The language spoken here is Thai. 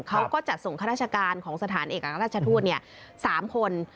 เขาก็จะส่งค่าราชการของสถานเอกอาคารราชทูต๓คน